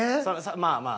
まあまあ。